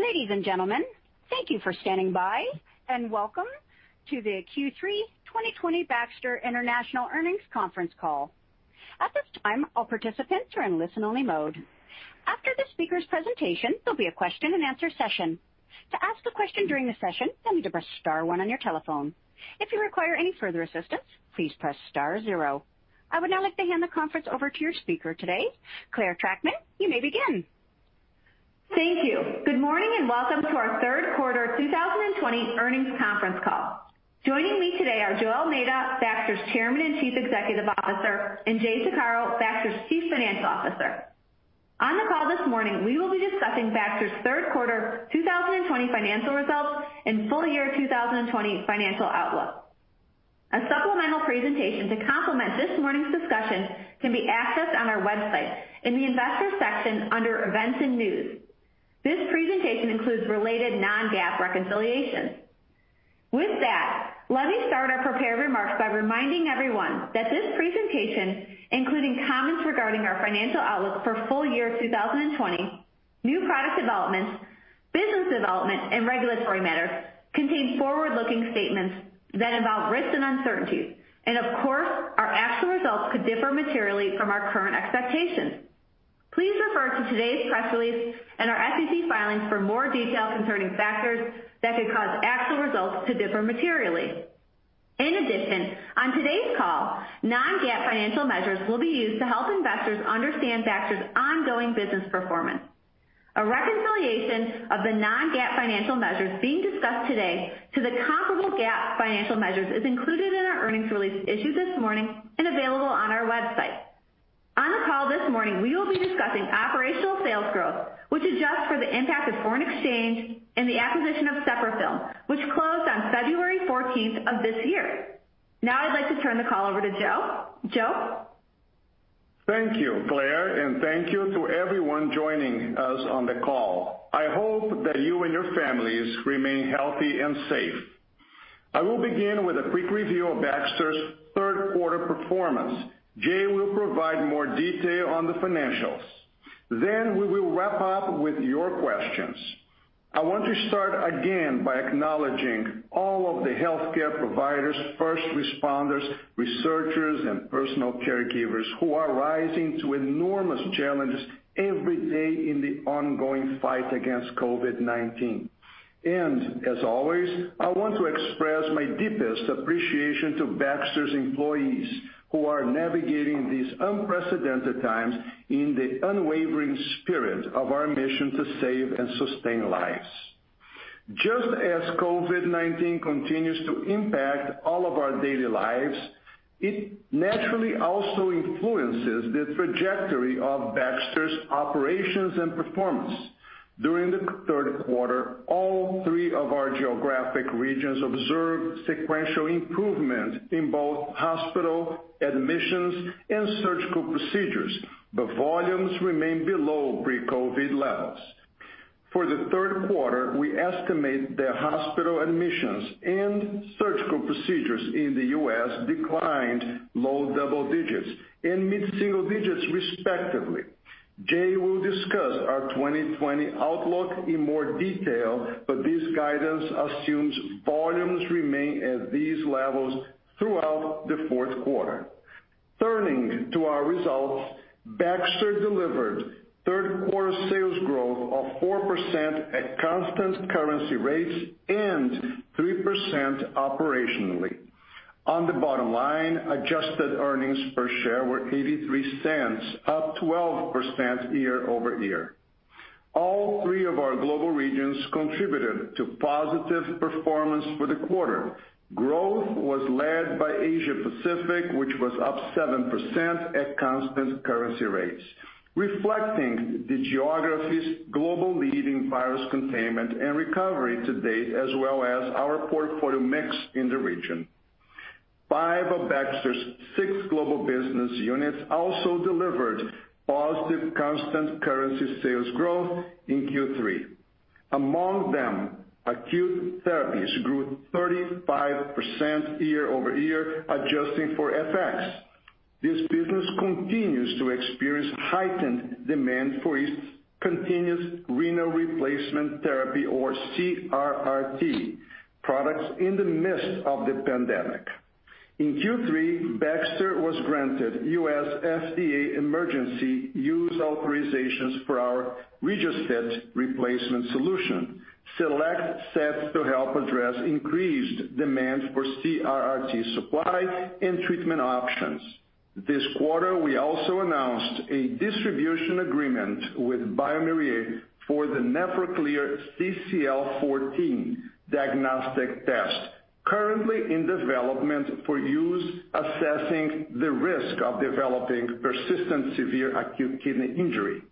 Ladies and gentlemen, thank you for standing by, and welcome to the Q3 2020 Baxter international earnings conference call. At this time, all participants are in listen-only mode. After the speaker's presentation, there'll be a question and answer session. To ask a question during the session, you'll need to press star one on your telephone. If you require any further assistance, please press star zero. I would now like to hand the conference over to your speaker today, Clare Trachtman. You may begin. Thank you. Good morning and welcome to our third quarter 2020 earnings conference call. Joining me today are José Almeida, Baxter's Chairman and Chief Executive Officer, and Jay Saccaro, Baxter's Chief Financial Officer. On the call this morning, we will be discussing Baxter's third quarter 2020 financial results and full year 2020 financial outlook. A supplemental presentation to complement this morning's discussion can be accessed on our website in the investor section under events and news. This presentation includes related non-GAAP reconciliations. With that, let me start our prepared remarks by reminding everyone that this presentation, including comments regarding our financial outlook for full year 2020, new product development, business development, and regulatory matters, contains forward-looking statements that involve risks and uncertainties. Of course, our actual results could differ materially from our current expectations. Please refer to today's press release and our SEC filings for more detail concerning factors that could cause actual results to differ materially. In addition, on today's call, non-GAAP financial measures will be used to help investors understand Baxter's ongoing business performance. A reconciliation of the non-GAAP financial measures being discussed today to the comparable GAAP financial measures is included in our earnings release issued this morning and available on our website. On the call this morning, we will be discussing operational sales growth, which adjusts for the impact of foreign exchange and the acquisition of Capra Film, which closed on February 14th of this year. Now I'd like to turn the call over to Joe. Joe. Thank you, Clare, and thank you to everyone joining us on the call. I hope that you and your families remain healthy and safe. I will begin with a quick review of Baxter's third quarter performance. Jay will provide more detail on the financials. We will wrap up with your questions. I want to start again by acknowledging all of the healthcare providers, first responders, researchers, and personal caregivers who are rising to enormous challenges every day in the ongoing fight against COVID-19. I want to express my deepest appreciation to Baxter's employees who are navigating these unprecedented times in the unwavering spirit of our mission to save and sustain lives. Just as COVID-19 continues to impact all of our daily lives, it naturally also influences the trajectory of Baxter's operations and performance. During the third quarter, all three of our geographic regions observed sequential improvements in both hospital admissions and surgical procedures, but volumes remain below pre-COVID levels. For the third quarter, we estimate that hospital admissions and surgical procedures in the U.S. declined low double digits and mid-single digits, respectively. Jay will discuss our 2020 outlook in more detail, but this guidance assumes volumes remain at these levels throughout the fourth quarter. Turning to our results, Baxter delivered third quarter sales growth of 4% at constant currency rates and 3% operationally. On the bottom line, adjusted earnings per share were $0.83, up 12% year-over-year. All three of our global regions contributed to positive performance for the quarter. Growth was led by Asia Pacific, which was up 7% at constant currency rates, reflecting the geography's global leading virus containment and recovery to date, as well as our portfolio mix in the region. Five of Baxter's six global business units also delivered positive constant currency sales growth in Q3. Among them, acute therapies grew 35% year-over-year, adjusting for FX. This business continues to experience heightened demand for its continuous renal replacement therapy, or CRRT, products in the midst of the pandemic. In Q3, Baxter was granted U.S. FDA emergency use authorizations for our Registed Replacement Solution, select sets to help address increased demand for CRRT supply and treatment options. This quarter, we also announced a distribution agreement with BioMérieux for the NephroClear CCL-14 diagnostic test, currently in development for use assessing the risk of developing persistent severe acute kidney injury.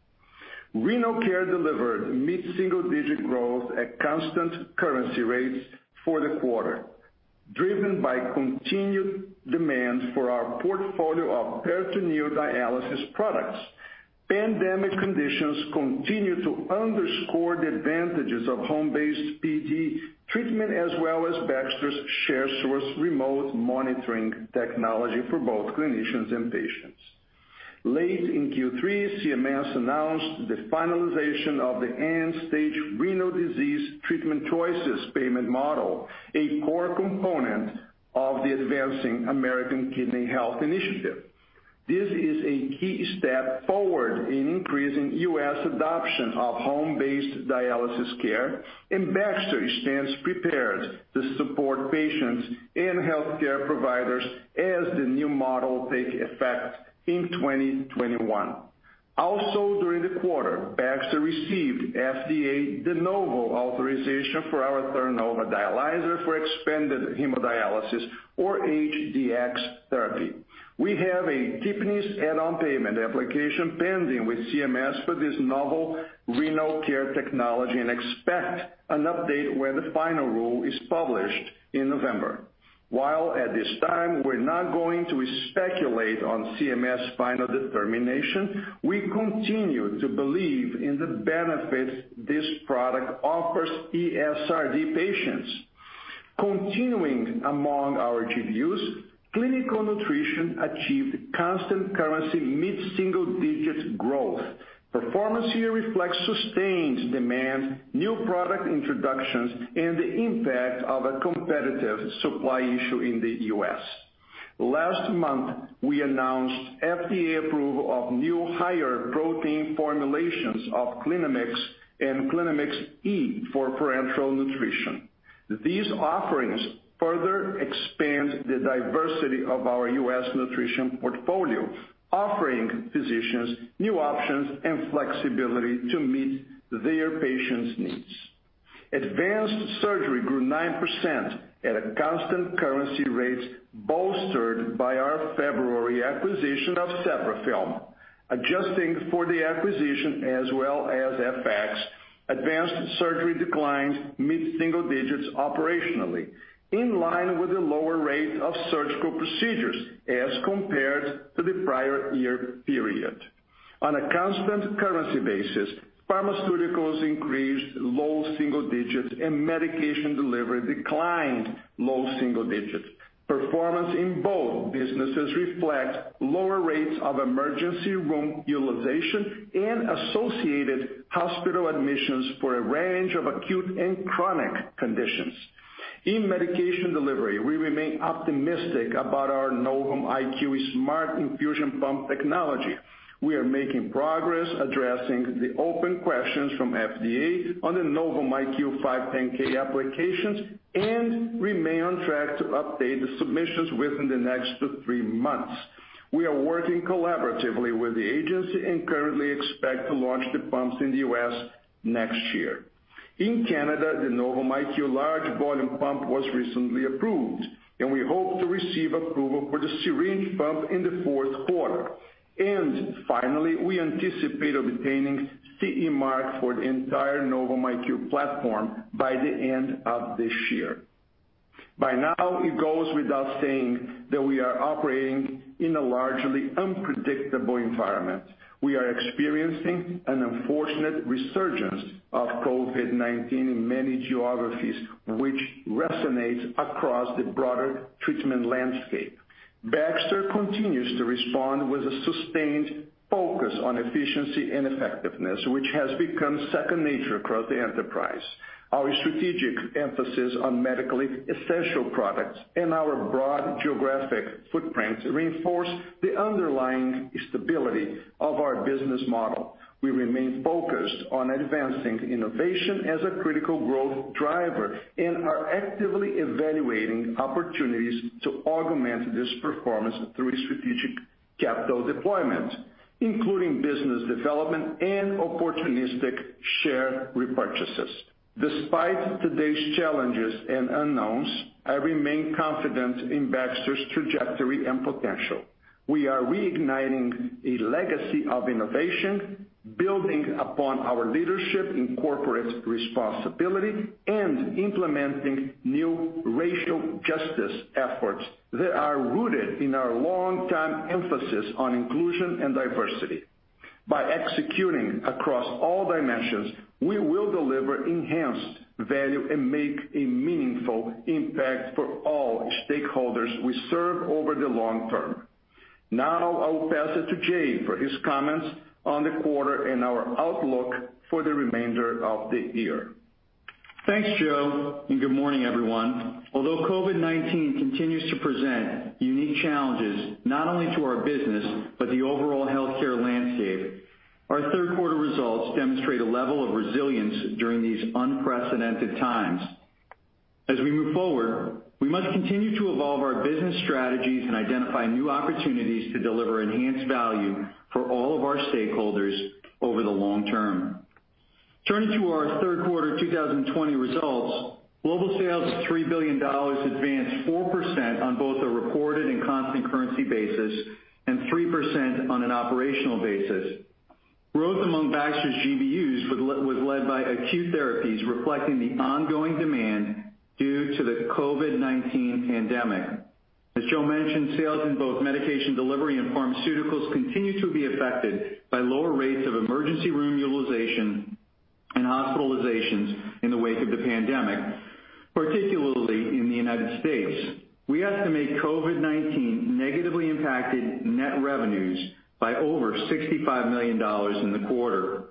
Renal care delivered mid-single digit growth at constant currency rates for the quarter, driven by continued demand for our portfolio of peritoneal dialysis products. Pandemic conditions continue to underscore the advantages of home-based PD treatment, as well as Baxter's shared source remote monitoring technology for both clinicians and patients. Late in Q3, CMS announced the finalization of the end-stage renal disease treatment choices payment model, a core component of the Advancing American Kidney Health Initiative. This is a key step forward in increasing US adoption of home-based dialysis care, and Baxter stands prepared to support patients and healthcare providers as the new model takes effect in 2021. Also, during the quarter, Baxter received FDA de novo authorization for our Theranova dialyzer for expanded hemodialysis, or HDX therapy. We have a NTAP add-on payment application pending with CMS for this novel renal care technology and expect an update when the final rule is published in November. While at this time, we're not going to speculate on CMS final determination, we continue to believe in the benefits this product offers ESRD patients. Continuing among our GDUs, clinical nutrition achieved constant currency mid-single digit growth. Performance here reflects sustained demand, new product introductions, and the impact of a competitive supply issue in the U.S. Last month, we announced FDA approval of new higher protein formulations of Clinimix and Clinimix E for parenteral nutrition. These offerings further expand the diversity of our U.S. nutrition portfolio, offering physicians new options and flexibility to meet their patients' needs. Advanced Surgery grew 9% at constant currency rates, bolstered by our February acquisition of Capra Film. Adjusting for the acquisition, as well as FX, Advanced Surgery declined mid-single digits operationally, in line with the lower rate of surgical procedures as compared to the prior year period. On a constant currency basis, Pharmaceuticals increased low single digits and Medication Delivery declined low single digits. Performance in both businesses reflects lower rates of emergency room utilization and associated hospital admissions for a range of acute and chronic conditions. In Medication Delivery, we remain optimistic about our Novum IQ Smart Infusion Pump technology. We are making progress addressing the open questions from FDA on the Novum IQ 510K applications and remain on track to update the submissions within the next three months. We are working collaboratively with the agency and currently expect to launch the pumps in the U.S. next year. In Canada, the Novum IQ large volume pump was recently approved, and we hope to receive approval for the syringe pump in the fourth quarter. Finally, we anticipate obtaining CE mark for the entire Novum IQ platform by the end of this year. By now, it goes without saying that we are operating in a largely unpredictable environment. We are experiencing an unfortunate resurgence of COVID-19 in many geographies, which resonates across the broader treatment landscape. Baxter continues to respond with a sustained focus on efficiency and effectiveness, which has become second nature across the enterprise. Our strategic emphasis on medically essential products and our broad geographic footprint reinforce the underlying stability of our business model. We remain focused on advancing innovation as a critical growth driver and are actively evaluating opportunities to augment this performance through strategic capital deployment, including business development and opportunistic share repurchases. Despite today's challenges and unknowns, I remain confident in Baxter's trajectory and potential. We are reigniting a legacy of innovation, building upon our leadership, incorporating responsibility, and implementing new racial justice efforts that are rooted in our long-time emphasis on inclusion and diversity. By executing across all dimensions, we will deliver enhanced value and make a meaningful impact for all stakeholders we serve over the long term. Now, I will pass it to Jay for his comments on the quarter and our outlook for the remainder of the year. Thanks, Joe, and good morning, everyone. Although COVID-19 continues to present unique challenges not only to our business but the overall healthcare landscape, our third quarter results demonstrate a level of resilience during these unprecedented times. As we move forward, we must continue to evolve our business strategies and identify new opportunities to deliver enhanced value for all of our stakeholders over the long term. Turning to our third quarter 2020 results, global sales of $3 billion advanced 4% on both a reported and constant currency basis and 3% on an operational basis. Growth among Baxter's GDUs was led by acute therapies, reflecting the ongoing demand due to the COVID-19 pandemic. As Joe mentioned, sales in both medication delivery and pharmaceuticals continue to be affected by lower rates of emergency room utilization and hospitalizations in the wake of the pandemic, particularly in the United States. We estimate COVID-19 negatively impacted net revenues by over $65 million in the quarter.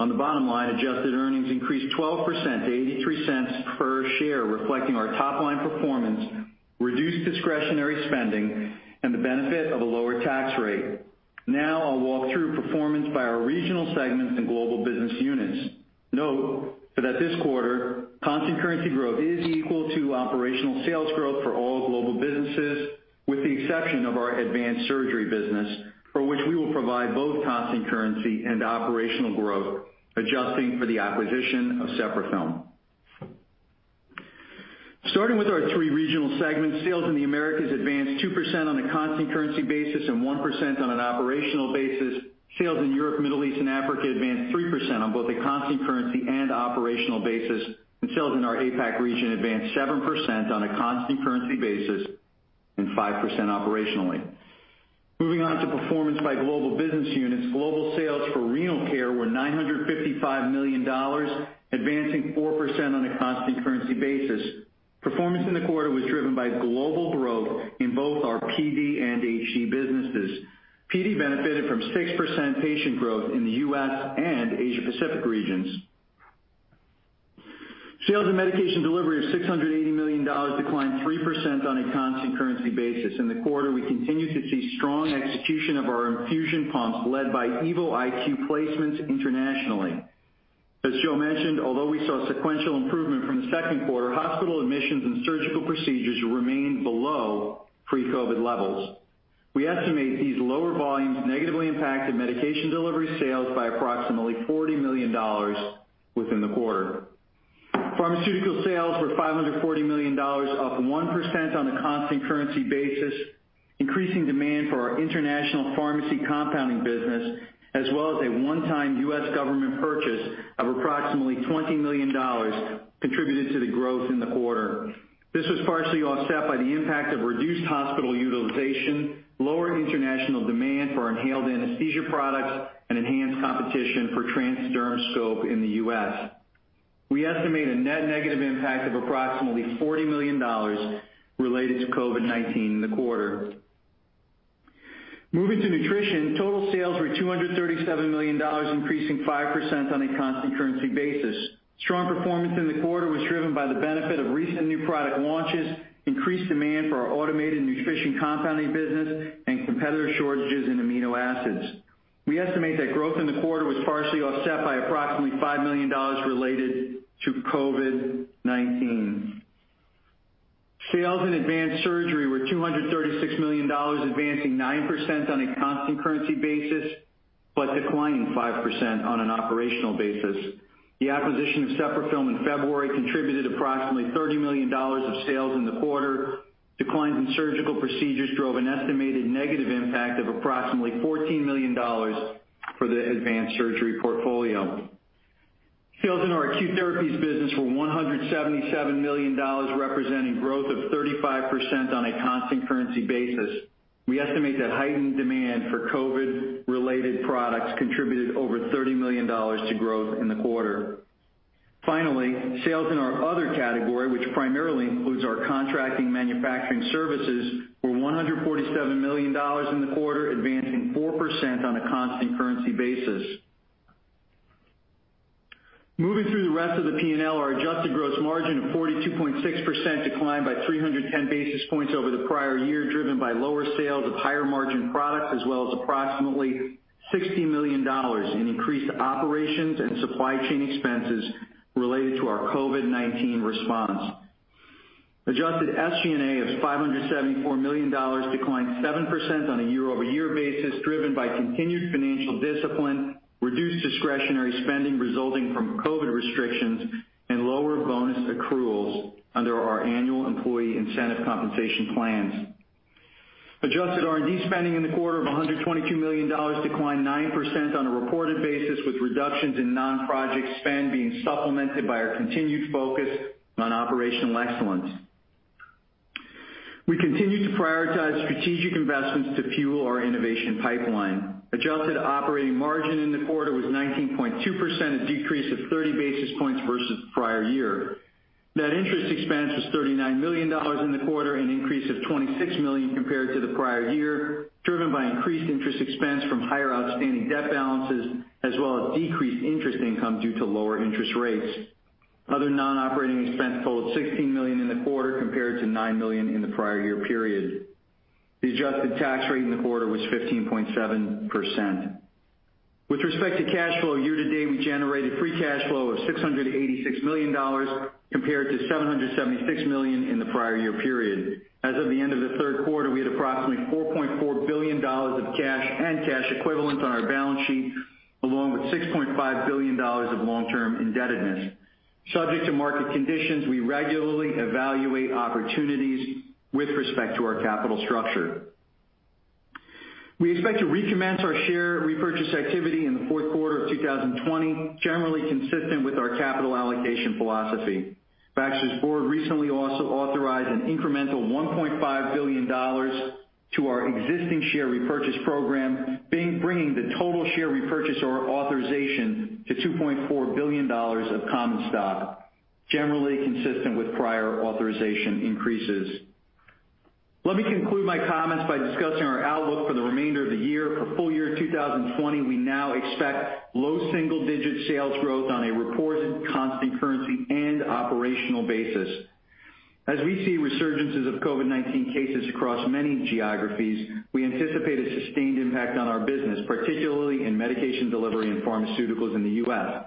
On the bottom line, adjusted earnings increased 12% to $0.83 per share, reflecting our top-line performance, reduced discretionary spending, and the benefit of a lower tax rate. Now, I'll walk through performance by our regional segments and global business units. Note that this quarter, constant currency growth is equal to operational sales growth for all global businesses, with the exception of our advanced surgery business, for which we will provide both constant currency and operational growth, adjusting for the acquisition of Capra Film. Starting with our three regional segments, sales in the Americas advanced 2% on a constant currency basis and 1% on an operational basis. Sales in Europe, Middle East, and Africa advanced 3% on both a constant currency and operational basis. Sales in our APAC region advanced 7% on a constant currency basis and 5% operationally. Moving on to performance by global business units, global sales for renal care were $955 million, advancing 4% on a constant currency basis. Performance in the quarter was driven by global growth in both our PD and HD businesses. PD benefited from 6% patient growth in the U.S. and Asia Pacific regions. Sales in medication delivery of $680 million declined 3% on a constant currency basis. In the quarter, we continue to see strong execution of our infusion pumps led by EvoIQ placements internationally. As Joe mentioned, although we saw sequential improvement from the second quarter, hospital admissions and surgical procedures remained below pre-COVID levels. We estimate these lower volumes negatively impacted medication delivery sales by approximately $40 million within the quarter. Pharmaceutical sales were $540 million, up 1% on a constant currency basis. Increasing demand for our international pharmacy compounding business, as well as a one-time U.S. government purchase of approximately $20 million, contributed to the growth in the quarter. This was partially offset by the impact of reduced hospital utilization, lower international demand for inhaled anesthesia products, and enhanced competition for transdermal scope in the U.S. We estimate a net negative impact of approximately $40 million related to COVID-19 in the quarter. Moving to nutrition, total sales were $237 million, increasing 5% on a constant currency basis. Strong performance in the quarter was driven by the benefit of recent new product launches, increased demand for our automated nutrition compounding business, and competitor shortages in amino acids. We estimate that growth in the quarter was partially offset by approximately $5 million related to COVID-19. Sales in advanced surgery were $236 million, advancing 9% on a constant currency basis but declining 5% on an operational basis. The acquisition of Capra Film in February contributed approximately $30 million of sales in the quarter. Declines in surgical procedures drove an estimated negative impact of approximately $14 million for the advanced surgery portfolio. Sales in our acute therapies business were $177 million, representing growth of 35% on a constant currency basis. We estimate that heightened demand for COVID-related products contributed over $30 million to growth in the quarter. Finally, sales in our other category, which primarily includes our contract manufacturing services, were $147 million in the quarter, advancing 4% on a constant currency basis. Moving through the rest of the P&L, our adjusted gross margin of 42.6% declined by 310 basis points over the prior year, driven by lower sales of higher margin products, as well as approximately $60 million in increased operations and supply chain expenses related to our COVID-19 response. Adjusted SG&A of $574 million declined 7% on a year-over-year basis, driven by continued financial discipline, reduced discretionary spending resulting from COVID restrictions, and lower bonus accruals under our annual employee incentive compensation plans. Adjusted R&D spending in the quarter of $122 million declined 9% on a reported basis, with reductions in non-project spend being supplemented by our continued focus on operational excellence. We continue to prioritize strategic investments to fuel our innovation pipeline. Adjusted operating margin in the quarter was 19.2%, a decrease of 30 basis points versus the prior year. Net interest expense was $39 million in the quarter, an increase of $26 million compared to the prior year, driven by increased interest expense from higher outstanding debt balances, as well as decreased interest income due to lower interest rates. Other non-operating expense totaled $16 million in the quarter compared to $9 million in the prior year period. The adjusted tax rate in the quarter was 15.7%. With respect to cash flow, year to date, we generated free cash flow of $686 million compared to $776 million in the prior year period. As of the end of the third quarter, we had approximately $4.4 billion of cash and cash equivalents on our balance sheet, along with $6.5 billion of long-term indebtedness. Subject to market conditions, we regularly evaluate opportunities with respect to our capital structure. We expect to recommence our share repurchase activity in the fourth quarter of 2020, generally consistent with our capital allocation philosophy. Baxter's board recently also authorized an incremental $1.5 billion to our existing share repurchase program, bringing the total share repurchase authorization to $2.4 billion of common stock, generally consistent with prior authorization increases. Let me conclude my comments by discussing our outlook for the remainder of the year. For full year 2020, we now expect low single-digit sales growth on a reported constant currency and operational basis. As we see resurgences of COVID-19 cases across many geographies, we anticipate a sustained impact on our business, particularly in medication delivery and pharmaceuticals in the U.S.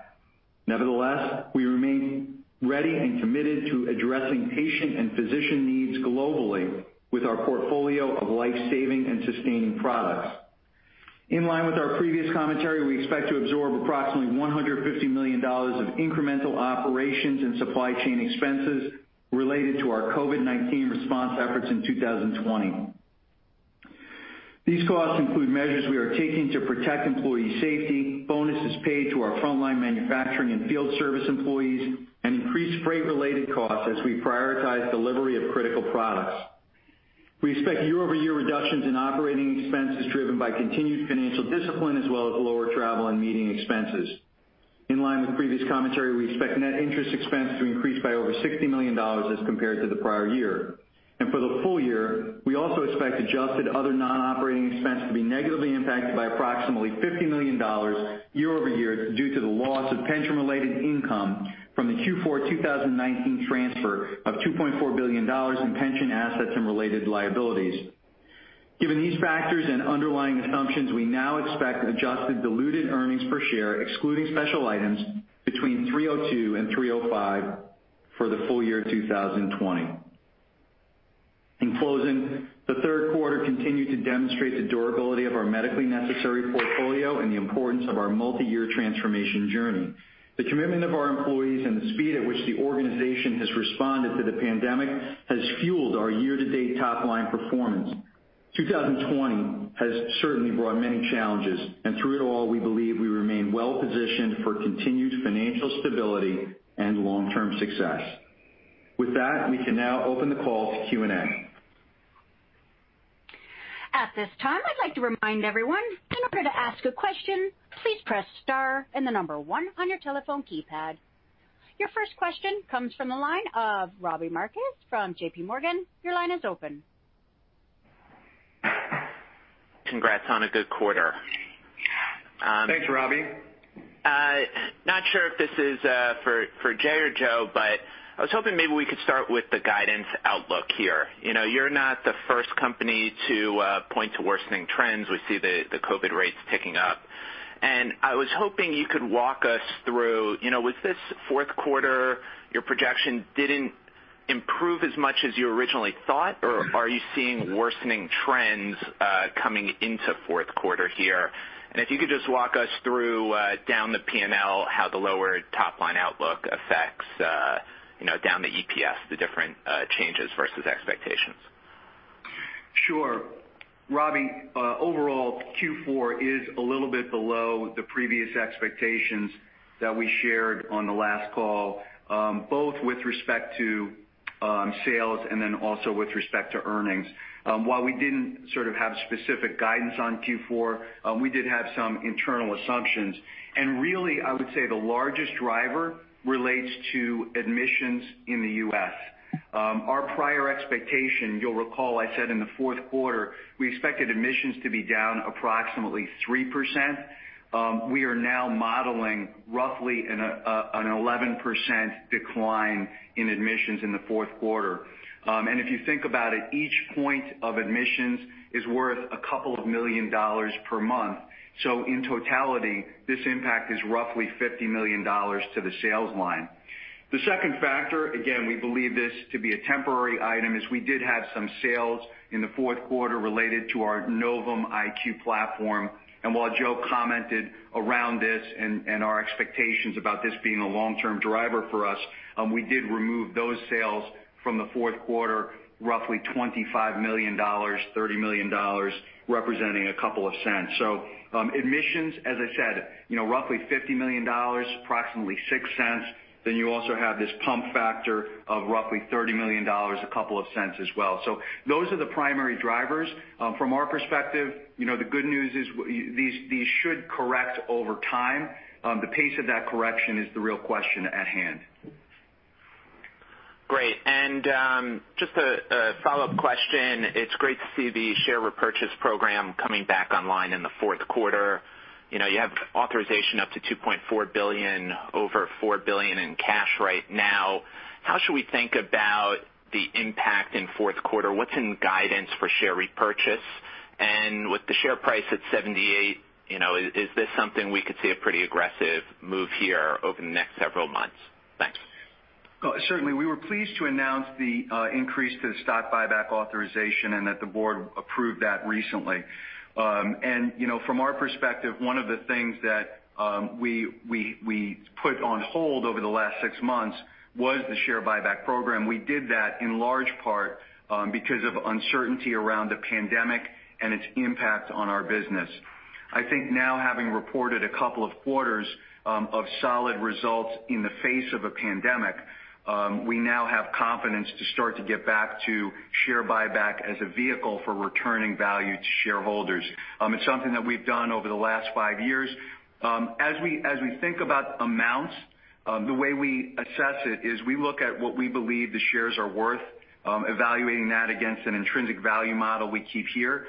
Nevertheless, we remain ready and committed to addressing patient and physician needs globally with our portfolio of life-saving and sustaining products. In line with our previous commentary, we expect to absorb approximately $150 million of incremental operations and supply chain expenses related to our COVID-19 response efforts in 2020. These costs include measures we are taking to protect employee safety, bonuses paid to our frontline manufacturing and field service employees, and increased freight-related costs as we prioritize delivery of critical products. We expect year-over-year reductions in operating expenses driven by continued financial discipline, as well as lower travel and meeting expenses. In line with previous commentary, we expect net interest expense to increase by over $60 million as compared to the prior year. For the full year, we also expect adjusted other non-operating expense to be negatively impacted by approximately $50 million year-over-year due to the loss of pension-related income from the Q4 2019 transfer of $2.4 billion in pension assets and related liabilities. Given these factors and underlying assumptions, we now expect adjusted diluted earnings per share, excluding special items, between $3.02 and $3.05 for the full year 2020. In closing, the third quarter continued to demonstrate the durability of our medically necessary portfolio and the importance of our multi-year transformation journey. The commitment of our employees and the speed at which the organization has responded to the pandemic has fueled our year-to-date top-line performance. 2020 has certainly brought many challenges, and through it all, we believe we remain well-positioned for continued financial stability and long-term success. With that, we can now open the call to Q&A. At this time, I'd like to remind everyone in order to ask a question, please press star and the number one on your telephone keypad. Your first question comes from the line of Robbie Marcus from JPMorgan. Your line is open. Congrats on a good quarter. Thanks, Robbie. Not sure if this is for Jay or Joe, but I was hoping maybe we could start with the guidance outlook here. You're not the first company to point to worsening trends. We see the COVID rates ticking up. I was hoping you could walk us through, with this fourth quarter, your projection didn't improve as much as you originally thought, or are you seeing worsening trends coming into fourth quarter here? If you could just walk us through down the P&L, how the lower top-line outlook affects down the EPS, the different changes versus expectations. Sure. Robbie, overall, Q4 is a little bit below the previous expectations that we shared on the last call, both with respect to sales and then also with respect to earnings. While we didn't sort of have specific guidance on Q4, we did have some internal assumptions. I would say the largest driver relates to admissions in the U.S. Our prior expectation, you'll recall I said in the fourth quarter, we expected admissions to be down approximately 3%. We are now modeling roughly an 11% decline in admissions in the fourth quarter. If you think about it, each point of admissions is worth a couple of million dollars per month. In totality, this impact is roughly $50 million to the sales line. The second factor, again, we believe this to be a temporary item, is we did have some sales in the fourth quarter related to our Novum IQ platform. While Joe commented around this and our expectations about this being a long-term driver for us, we did remove those sales from the fourth quarter, roughly $25 million-$30 million, representing a couple of cents. Admissions, as I said, roughly $50 million, approximately $0.06. You also have this pump factor of roughly $30 million, a couple of cents as well. Those are the primary drivers. From our perspective, the good news is these should correct over time. The pace of that correction is the real question at hand. Great. Just a follow-up question. It's great to see the share repurchase program coming back online in the fourth quarter. You have authorization up to $2.4 billion, over $4 billion in cash right now. How should we think about the impact in fourth quarter? What's in guidance for share repurchase? With the share price at $78, is this something we could see a pretty aggressive move here over the next several months? Thanks. Certainly, we were pleased to announce the increase to the stock buyback authorization and that the board approved that recently. From our perspective, one of the things that we put on hold over the last six months was the share buyback program. We did that in large part because of uncertainty around the pandemic and its impact on our business. I think now, having reported a couple of quarters of solid results in the face of a pandemic, we now have confidence to start to get back to share buyback as a vehicle for returning value to shareholders. It's something that we've done over the last five years. As we think about amounts, the way we assess it is we look at what we believe the shares are worth, evaluating that against an intrinsic value model we keep here.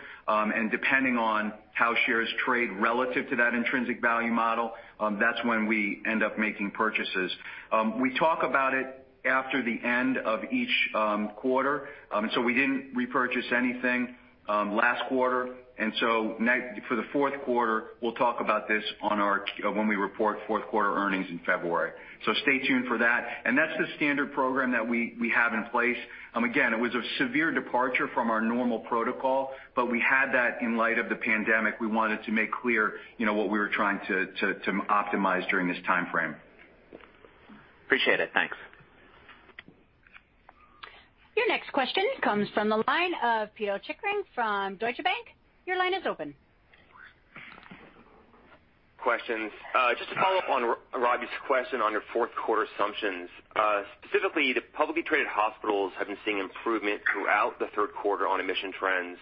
Depending on how shares trade relative to that intrinsic value model, that's when we end up making purchases. We talk about it after the end of each quarter. We did not repurchase anything last quarter. For the fourth quarter, we will talk about this when we report fourth quarter earnings in February. Stay tuned for that. That is the standard program that we have in place. It was a severe departure from our normal protocol, but we had that in light of the pandemic. We wanted to make clear what we were trying to optimize during this timeframe. Appreciate it. Thanks. Your next question comes from the line of Peter Oettcher-Kring from Deutsche Bank. Your line is open. Questions. Just to follow up on Robbie's question on your fourth quarter assumptions. Specifically, the publicly traded hospitals have been seeing improvement throughout the third quarter on admission trends.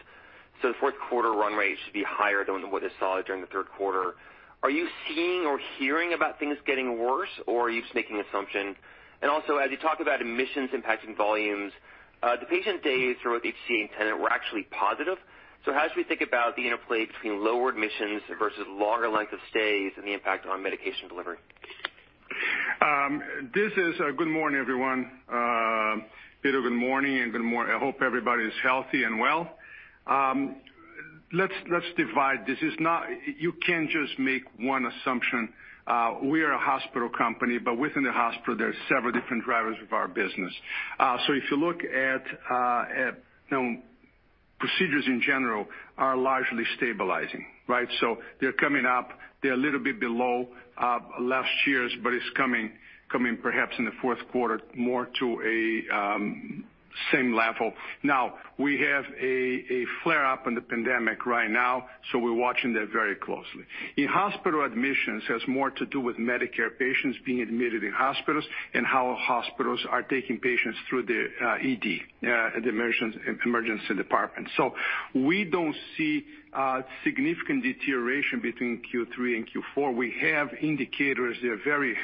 The fourth quarter run rate should be higher than what they saw during the third quarter. Are you seeing or hearing about things getting worse, or are you just making an assumption? Also, as you talked about admissions impacting volumes, the patient days for both HCA and Tenet were actually positive. How should we think about the interplay between lower admissions versus longer length of stays and the impact on medication delivery? Good morning, everyone. Peter, good morning, and good morning. I hope everybody is healthy and well. Let's divide. You can't just make one assumption. We are a hospital company, but within the hospital, there are several different drivers of our business. If you look at procedures in general, they are largely stabilizing, right? They are coming up. They are a little bit below last year's, but it is coming perhaps in the fourth quarter more to a same level. Now, we have a flare-up in the pandemic right now, so we are watching that very closely. In hospital admissions, it has more to do with Medicare patients being admitted in hospitals and how hospitals are taking patients through the ED, the emergency department. We do not see significant deterioration between Q3 and Q4. We have indicators that are very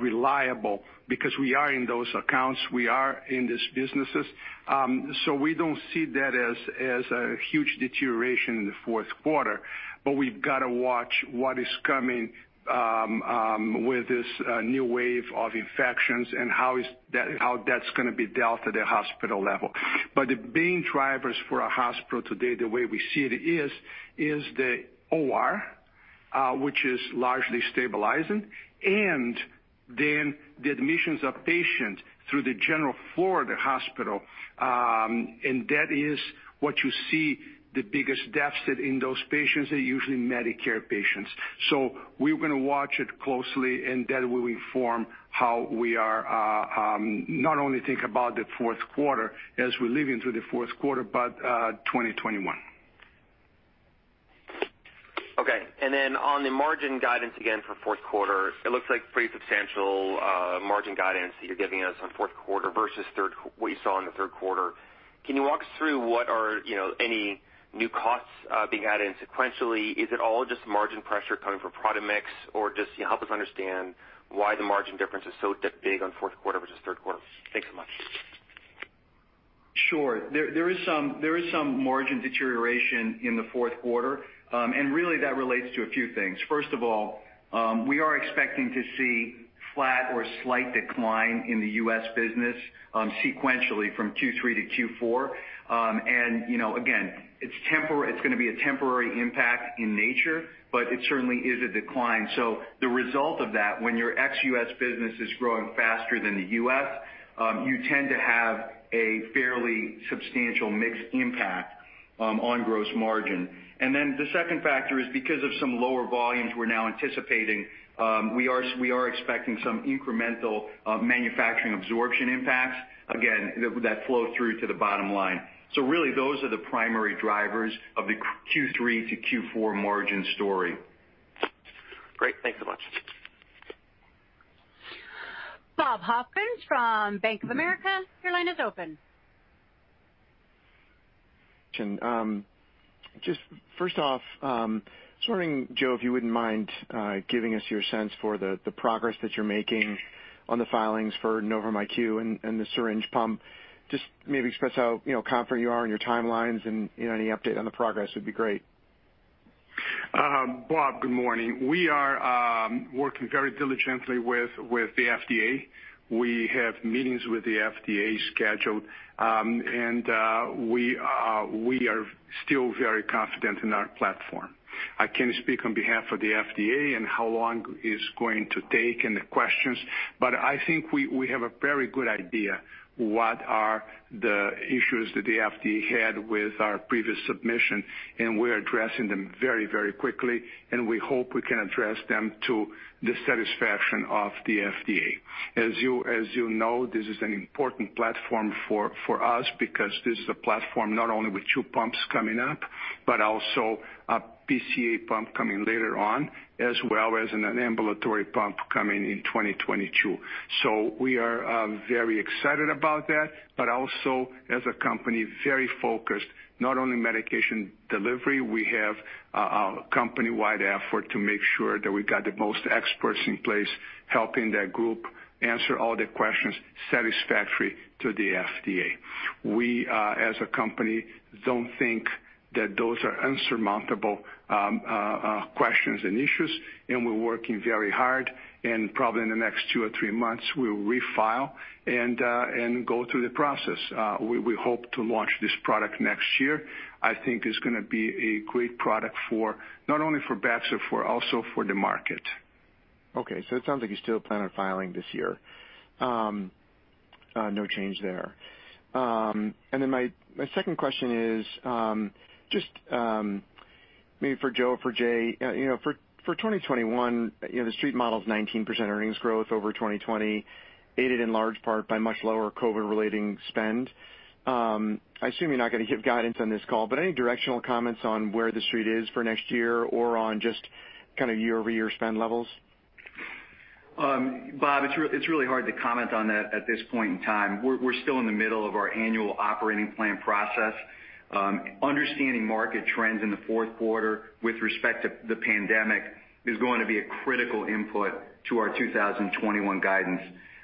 reliable because we are in those accounts. We are in these businesses. We do not see that as a huge deterioration in the fourth quarter, but we have to watch what is coming with this new wave of infections and how that is going to be dealt at the hospital level. The main drivers for our hospital today, the way we see it, are the OR, which is largely stabilizing, and then the admissions of patients through the general floor of the hospital. That is where you see the biggest deficit in those patients. They are usually Medicare patients. We are going to watch it closely, and that will inform how we not only think about the fourth quarter as we are living through the fourth quarter, but 2021. Okay. Then on the margin guidance again for fourth quarter, it looks like pretty substantial margin guidance that you're giving us on fourth quarter versus what you saw in the third quarter. Can you walk us through what are any new costs being added in sequentially? Is it all just margin pressure coming from Prodamix, or just help us understand why the margin difference is so big on fourth quarter versus third quarter? Thanks so much. Sure. There is some margin deterioration in the fourth quarter. That relates to a few things. First of all, we are expecting to see flat or slight decline in the U.S. business sequentially from Q3 to Q4. Again, it is going to be a temporary impact in nature, but it certainly is a decline. The result of that, when your ex-U.S. business is growing faster than the U.S., you tend to have a fairly substantial mixed impact on gross margin. The second factor is because of some lower volumes we are now anticipating, we are expecting some incremental manufacturing absorption impacts. Again, that flows through to the bottom line. Those are the primary drivers of the Q3 to Q4 margin story. Great. Thanks so much. Bob Hoffman from Bank of America. Your line is open. Just first off, just wondering, Joe, if you wouldn't mind giving us your sense for the progress that you're making on the filings for Novum IQ and the syringe pump. Just maybe express how confident you are in your timelines and any update on the progress would be great. Bob, good morning. We are working very diligently with the FDA. We have meetings with the FDA scheduled, and we are still very confident in our platform. I cannot speak on behalf of the FDA and how long it is going to take and the questions, but I think we have a very good idea of what are the issues that the FDA had with our previous submission, and we are addressing them very, very quickly. We hope we can address them to the satisfaction of the FDA. As you know, this is an important platform for us because this is a platform not only with two pumps coming up, but also a PCA pump coming later on, as well as an ambulatory pump coming in 2022. We are very excited about that, but also, as a company, very focused, not only medication delivery. We have a company-wide effort to make sure that we've got the most experts in place helping that group answer all the questions satisfactory to the FDA. We, as a company, don't think that those are insurmountable questions and issues, and we're working very hard. Probably in the next two or three months, we'll refile and go through the process. We hope to launch this product next year. I think it's going to be a great product not only for Baxter but also for the market. Okay. It sounds like you still plan on filing this year. No change there. My second question is just maybe for Joe or for Jay. For 2021, the Street model is 19% earnings growth over 2020, aided in large part by much lower COVID-related spend. I assume you're not going to give guidance on this call, but any directional comments on where the Street is for next year or on just kind of year-over-year spend levels? Bob, it's really hard to comment on that at this point in time. We're still in the middle of our annual operating plan process. Understanding market trends in the fourth quarter with respect to the pandemic is going to be a critical input to our 2021 guidance.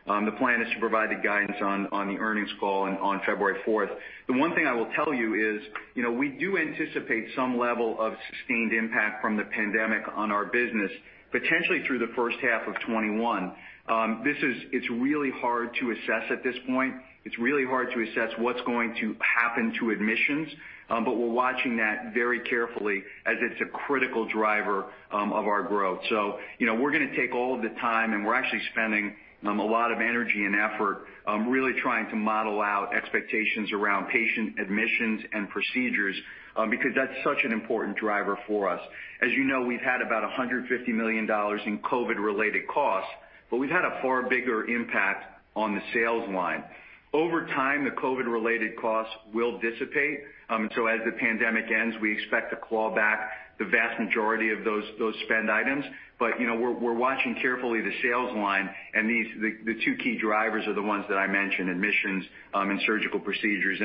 The plan is to provide the guidance on the earnings call on February 4th. The one thing I will tell you is we do anticipate some level of sustained impact from the pandemic on our business, potentially through the first half of 2021. It's really hard to assess at this point. It's really hard to assess what's going to happen to admissions, but we're watching that very carefully as it's a critical driver of our growth. We're going to take all the time, and we're actually spending a lot of energy and effort really trying to model out expectations around patient admissions and procedures because that's such an important driver for us. As you know, we've had about $150 million in COVID-related costs, but we've had a far bigger impact on the sales line. Over time, the COVID-related costs will dissipate. As the pandemic ends, we expect to claw back the vast majority of those spend items. We're watching carefully the sales line, and the two key drivers are the ones that I mentioned: admissions and surgical procedures.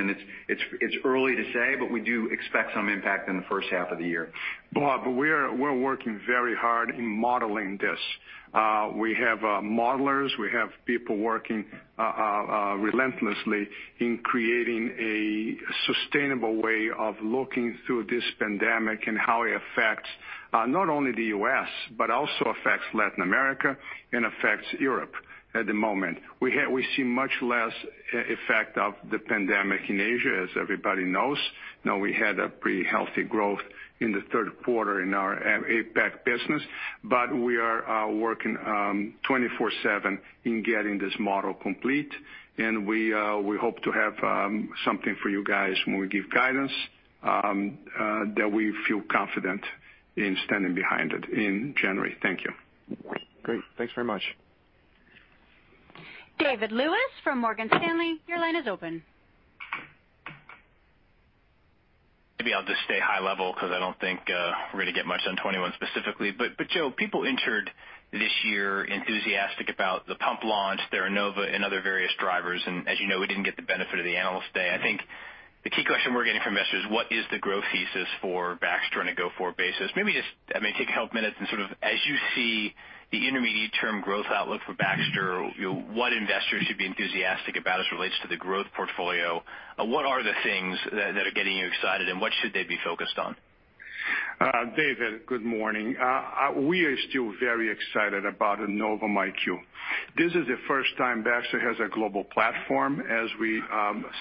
It's early to say, but we do expect some impact in the first half of the year. Bob, we're working very hard in modeling this. We have modelers. We have people working relentlessly in creating a sustainable way of looking through this pandemic and how it affects not only the U.S., but also affects Latin America and affects Europe at the moment. We see much less effect of the pandemic in Asia, as everybody knows. We had a pretty healthy growth in the third quarter in our APAC business, but we are working 24/7 in getting this model complete. We hope to have something for you guys when we give guidance that we feel confident in standing behind it in January. Thank you. Great. Thanks very much. David Lewis from Morgan Stanley, your line is open. Maybe I'll just stay high level because I don't think we're going to get much on 2021 specifically. Joe, people entered this year enthusiastic about the pump launch, Theranova, and other various drivers. As you know, we didn't get the benefit of the analyst day. I think the key question we're getting from investors is what is the growth thesis for Baxter on a go-forward basis? Maybe just take a couple of minutes and sort of, as you see the intermediate-term growth outlook for Baxter, what investors should be enthusiastic about as it relates to the growth portfolio. What are the things that are getting you excited, and what should they be focused on? David, good morning. We are still very excited about the Novum IQ. This is the first time Baxter has a global platform, as we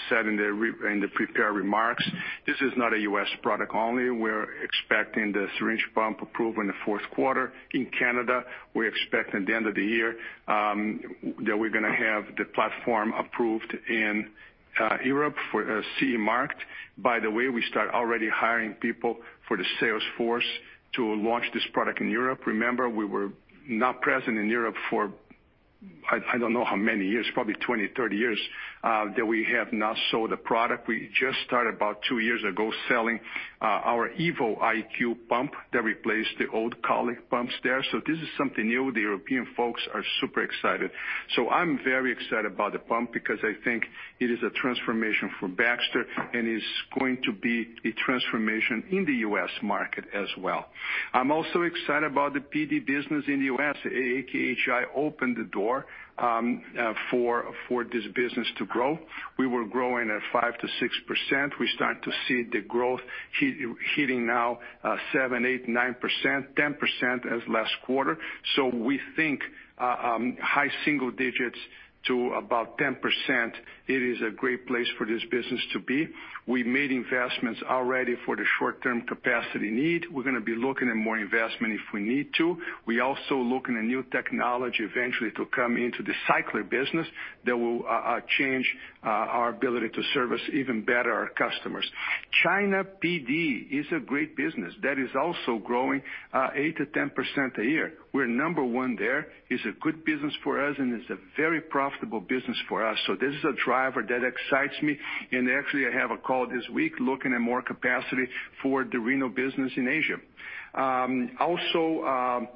said in the prepared remarks. This is not a U.S. product only. We're expecting the syringe pump approval in the fourth quarter. In Canada, we expect at the end of the year that we're going to have the platform approved in Europe for CE marked. By the way, we start already hiring people for the sales force to launch this product in Europe. Remember, we were not present in Europe for, I don't know how many years, probably 20, 30 years that we have not sold a product. We just started about two years ago selling our EvoIQ pump that replaced the old Colic pumps there. This is something new. The European folks are super excited. I'm very excited about the pump because I think it is a transformation for Baxter, and it's going to be a transformation in the U.S. market as well. I'm also excited about the PD business in the U.S. AKHI opened the door for this business to grow. We were growing at 5%-6%. We started to see the growth hitting now 7%, 8%, 9%, 10% as last quarter. We think high single digits to about 10%. It is a great place for this business to be. We made investments already for the short-term capacity need. We're going to be looking at more investment if we need to. We also are looking at new technology eventually to come into the cycler business that will change our ability to service even better our customers. China PD is a great business that is also growing 8%-10% a year. We're number one there. It's a good business for us, and it's a very profitable business for us. This is a driver that excites me. Actually, I have a call this week looking at more capacity for the Reno business in Asia. Also,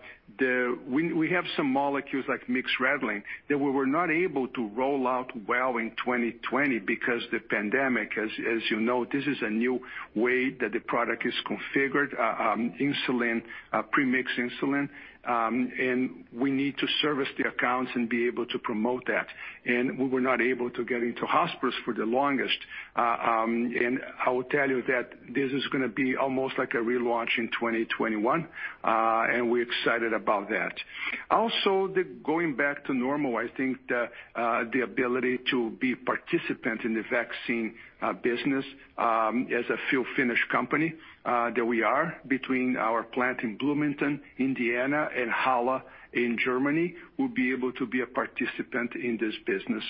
we have some molecules like mixed rattling that we were not able to roll out well in 2020 because the pandemic, as you know, this is a new way that the product is configured, insulin, premixed insulin. We need to service the accounts and be able to promote that. We were not able to get into hospitals for the longest. I will tell you that this is going to be almost like a relaunch in 2021, and we're excited about that. Also, going back to normal, I think the ability to be a participant in the vaccine business as a full-finished company that we are between our plant in Bloomington, Indiana, and Halle in Germany will be able to be a participant in this business.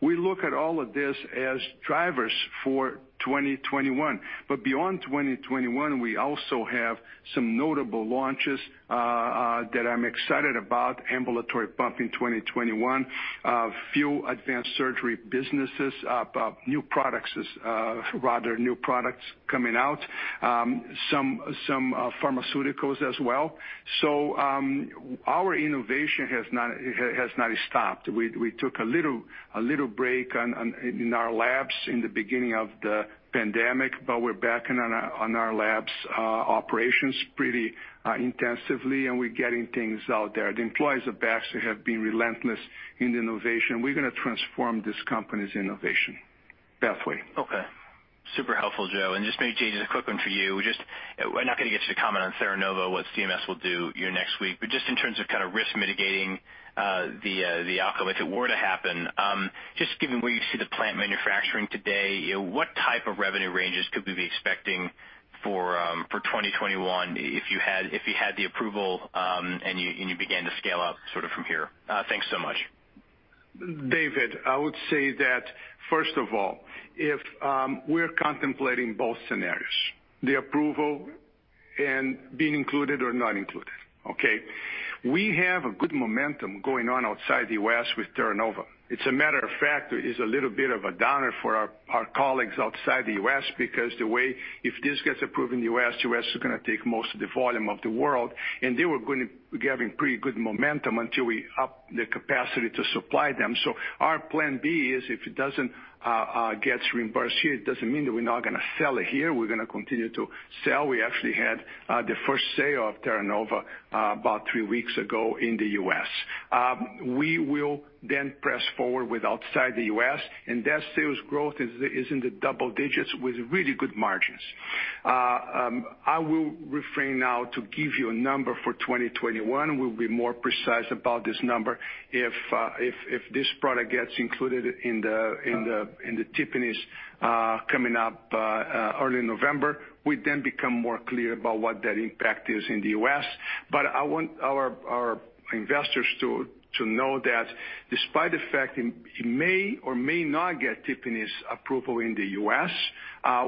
We look at all of this as drivers for 2021. Beyond 2021, we also have some notable launches that I'm excited about: ambulatory pump in 2021, few Advanced Surgery businesses, new products, rather, new products coming out, some pharmaceuticals as well. Our innovation has not stopped. We took a little break in our labs in the beginning of the pandemic, but we're back on our labs operations pretty intensively, and we're getting things out there. The employees of Baxter have been relentless in the innovation. We're going to transform this company's innovation pathway. Okay. Super helpful, Joe. Maybe Jay, just a quick one for you. We're not going to get you to comment on Theranova, what CMS will do here next week, but just in terms of kind of risk mitigating the outcome if it were to happen, just given where you see the plant manufacturing today, what type of revenue ranges could we be expecting for 2021 if you had the approval and you began to scale up sort of from here? Thanks so much. David, I would say that, first of all, we're contemplating both scenarios: the approval and being included or not included. Okay? We have a good momentum going on outside the U.S. with Theranova. It's a matter of fact, it's a little bit of a downer for our colleagues outside the U.S. because the way if this gets approved in the U.S., the U.S. is going to take most of the volume of the world, and they were going to be giving pretty good momentum until we upped the capacity to supply them. Our plan B is if it doesn't get reimbursed here, it doesn't mean that we're not going to sell it here. We're going to continue to sell. We actually had the first sale of Theranova about three weeks ago in the U.S. We will then press forward with outside the U.S., and that sales growth is in the double digits with really good margins. I will refrain now to give you a number for 2021. We'll be more precise about this number. If this product gets included in the TIPPINES coming up early November, we then become more clear about what that impact is in the U.S. I want our investors to know that despite the fact it may or may not get TIPPINES approval in the U.S.,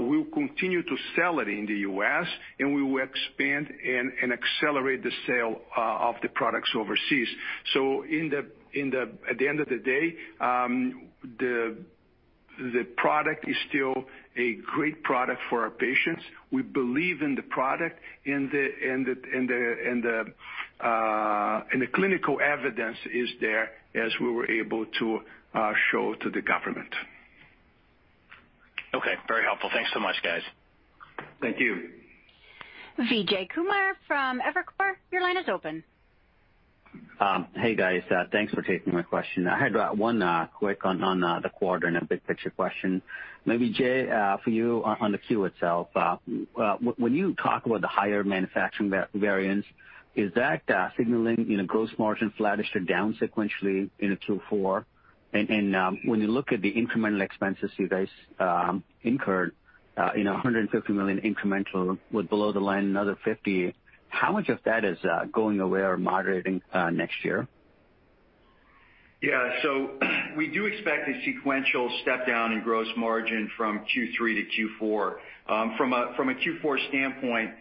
we'll continue to sell it in the U.S., and we will expand and accelerate the sale of the products overseas. At the end of the day, the product is still a great product for our patients. We believe in the product, and the clinical evidence is there as we were able to show to the government. Okay. Very helpful. Thanks so much, guys. Thank you. Vijay Kumar from Evercore, your line is open. Hey, guys. Thanks for taking my question. I had one quick on the quarter and a big picture question. Maybe Jay, for you on the Q itself, when you talk about the higher manufacturing variance, is that signaling gross margin flattish or down sequentially in a Q4? When you look at the incremental expenses you guys incurred, $150 million incremental with below the line another $50 million, how much of that is going away or moderating next year? Yeah. We do expect a sequential step down in gross margin from Q3 to Q4. From a Q4 standpoint,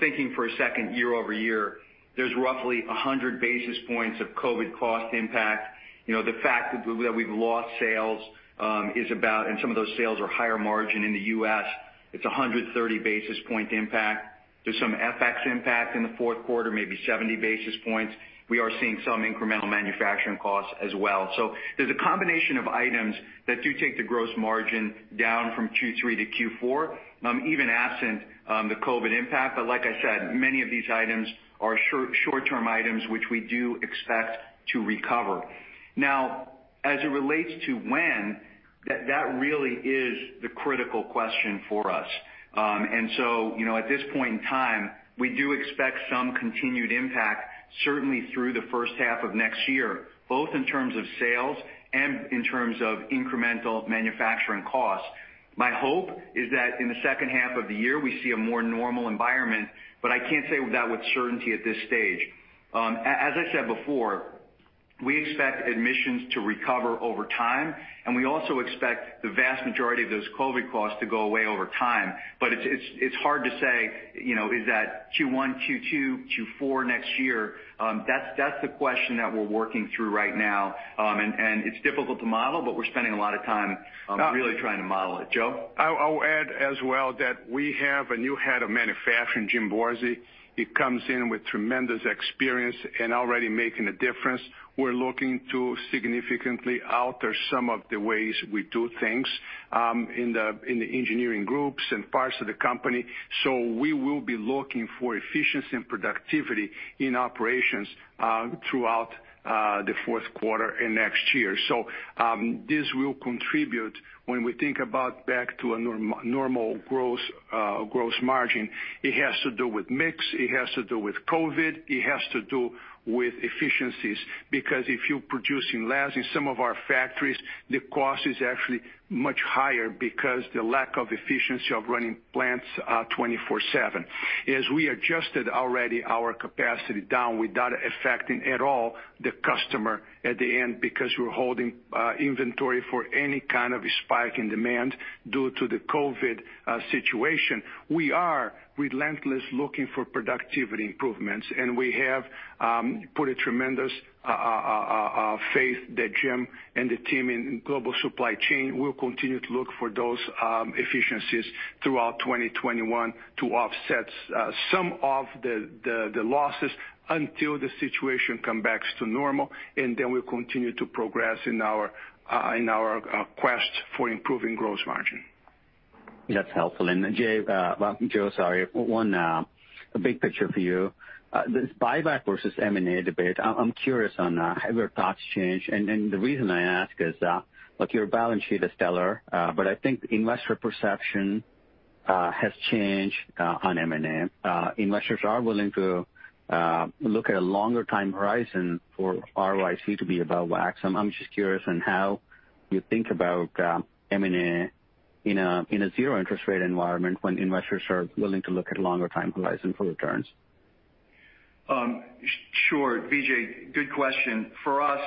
thinking for a second year-over-year, there is roughly 100 basis points of COVID cost impact. The fact that we have lost sales is about, and some of those sales are higher margin in the U.S., it is a 130 basis point impact. There is some FX impact in the fourth quarter, maybe 70 basis points. We are seeing some incremental manufacturing costs as well. There is a combination of items that do take the gross margin down from Q3 to Q4, even absent the COVID impact. Like I said, many of these items are short-term items which we do expect to recover. Now, as it relates to when, that really is the critical question for us. At this point in time, we do expect some continued impact, certainly through the first half of next year, both in terms of sales and in terms of incremental manufacturing costs. My hope is that in the second half of the year, we see a more normal environment, but I can't say that with certainty at this stage. As I said before, we expect admissions to recover over time, and we also expect the vast majority of those COVID costs to go away over time. It's hard to say, is that Q1, Q2, Q4 next year? That's the question that we're working through right now. It's difficult to model, but we're spending a lot of time really trying to model it. Joe? I'll add as well that we have a new head of manufacturing, Jim Borzi. He comes in with tremendous experience and already making a difference. We're looking to significantly alter some of the ways we do things in the engineering groups and parts of the company. We will be looking for efficiency and productivity in operations throughout the fourth quarter and next year. This will contribute when we think about back to a normal gross margin. It has to do with mix. It has to do with COVID. It has to do with efficiencies because if you're producing less in some of our factories, the cost is actually much higher because of the lack of efficiency of running plants 24/7. As we adjusted already our capacity down without affecting at all the customer at the end because we're holding inventory for any kind of spike in demand due to the COVID situation. We are relentless looking for productivity improvements, and we have put a tremendous faith that Jim and the team in global supply chain will continue to look for those efficiencies throughout 2021 to offset some of the losses until the situation comes back to normal. We will continue to progress in our quest for improving gross margin. That's helpful. Jay, Joe, sorry, one big picture for you. This buyback versus M&A debate, I'm curious on how your thoughts change. The reason I ask is your balance sheet is stellar, but I think investor perception has changed on M&A. Investors are willing to look at a longer time horizon for ROIC to be above WACC. I'm just curious on how you think about M&A in a zero-interest rate environment when investors are willing to look at a longer time horizon for returns. Sure. Vijay, good question. For us,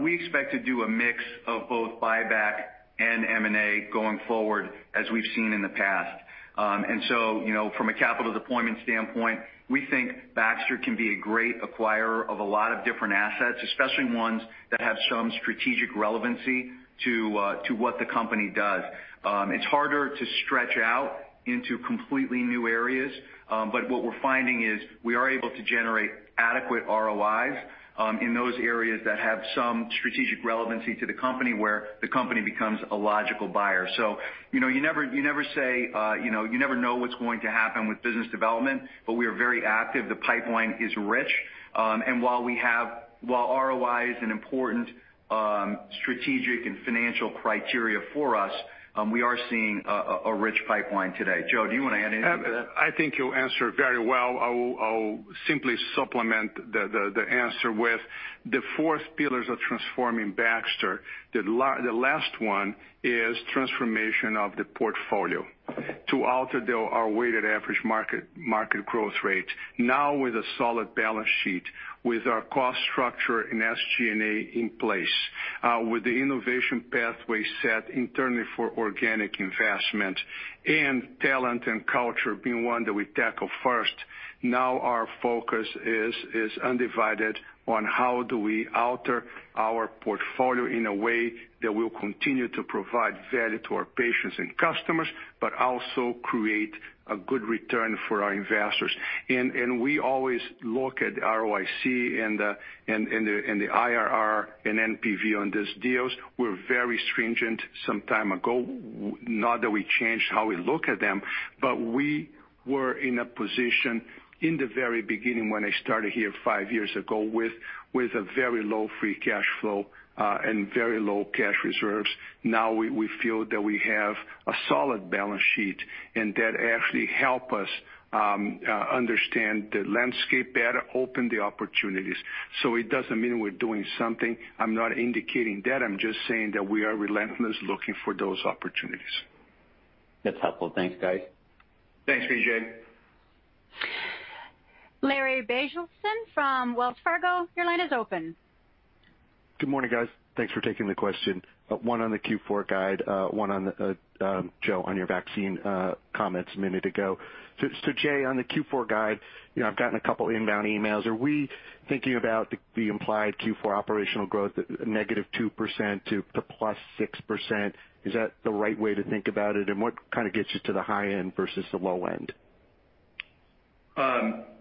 we expect to do a mix of both buyback and M&A going forward as we've seen in the past. From a capital deployment standpoint, we think Baxter can be a great acquirer of a lot of different assets, especially ones that have some strategic relevancy to what the company does. It's harder to stretch out into completely new areas, but what we're finding is we are able to generate adequate ROIs in those areas that have some strategic relevancy to the company where the company becomes a logical buyer. You never say you never know what's going to happen with business development, but we are very active. The pipeline is rich. While ROI is an important strategic and financial criteria for us, we are seeing a rich pipeline today. Joe, do you want to add anything to that? I think you answered very well. I'll simply supplement the answer with the fourth pillars of transforming Baxter. The last one is transformation of the portfolio to alter our weighted average market growth rate. Now with a solid balance sheet, with our cost structure and SG&A in place, with the innovation pathway set internally for organic investment, and talent and culture being one that we tackle first, now our focus is undivided on how do we alter our portfolio in a way that will continue to provide value to our patients and customers, but also create a good return for our investors. We always look at ROIC and the IRR and NPV on these deals. We're very stringent some time ago, not that we changed how we look at them, but we were in a position in the very beginning when I started here five years ago with a very low free cash flow and very low cash reserves. Now we feel that we have a solid balance sheet and that actually helps us understand the landscape better, open the opportunities. It does not mean we're doing something. I'm not indicating that. I'm just saying that we are relentless looking for those opportunities. That's helpful. Thanks, guys. Thanks, Vijay. Larry Biegelsen from Wells Fargo. Your line is open. Good morning, guys. Thanks for taking the question. One on the Q4 guide, one on, Joe, on your vaccine comments a minute ago. Jay, on the Q4 guide, I've gotten a couple of inbound emails. Are we thinking about the implied Q4 operational growth, negative 2% to plus 6%? Is that the right way to think about it? And what kind of gets you to the high end versus the low end?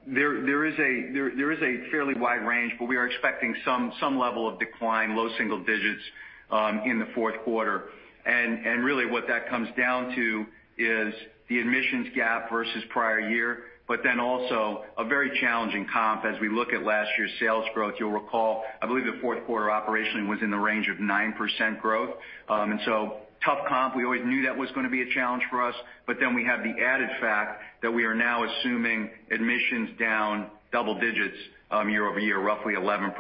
There is a fairly wide range, but we are expecting some level of decline, low single digits in the fourth quarter. What that comes down to is the admissions gap versus prior year, but then also a very challenging comp as we look at last year's sales growth. You'll recall, I believe the fourth quarter operationally was in the range of 9% growth. Tough comp. We always knew that was going to be a challenge for us, but then we have the added fact that we are now assuming admissions down double digits year-over-year, roughly 11%.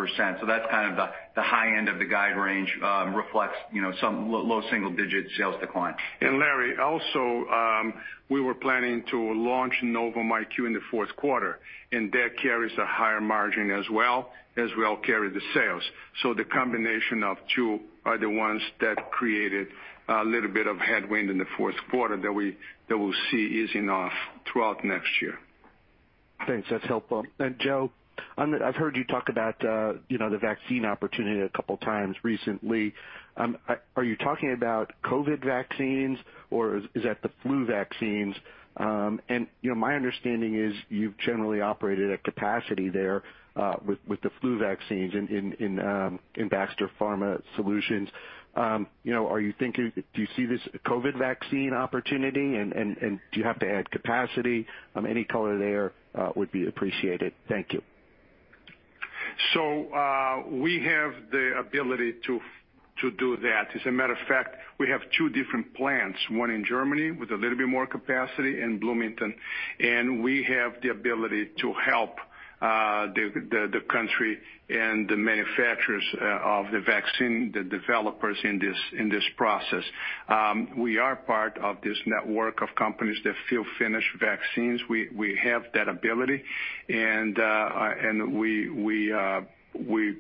That's kind of the high end of the guide range reflects some low single digit sales decline. Larry, also, we were planning to launch Novum IQ in the fourth quarter, and that carries a higher margin as well as will carry the sales. The combination of two are the ones that created a little bit of headwind in the fourth quarter that we will see easing off throughout next year. Thanks. That's helpful. Joe, I've heard you talk about the vaccine opportunity a couple of times recently. Are you talking about COVID vaccines or is that the flu vaccines? My understanding is you've generally operated at capacity there with the flu vaccines in Baxter Pharma Solutions. Are you thinking, do you see this COVID vaccine opportunity, and do you have to add capacity? Any color there would be appreciated. Thank you. We have the ability to do that. As a matter of fact, we have two different plants, one in Germany with a little bit more capacity and Bloomington. We have the ability to help the country and the manufacturers of the vaccine, the developers in this process. We are part of this network of companies that fill and finish vaccines. We have that ability, and we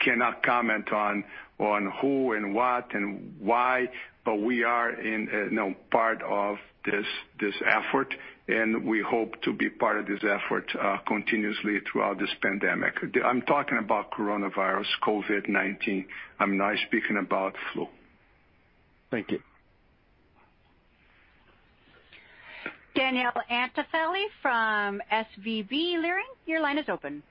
cannot comment on who and what and why, but we are part of this effort, and we hope to be part of this effort continuously throughout this pandemic. I'm talking about coronavirus, COVID-19. I'm not speaking about flu. Thank you. Danielle Antalffy from SVB Leerink. Your line is open.